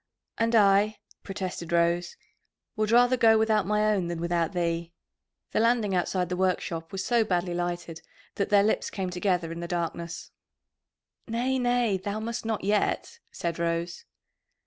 "And I," protested Rose, "would rather go without my own than without thee." The landing outside the workshop was so badly lighted that their lips came together in the darkness. "Nay, nay, thou must not yet," said Rose.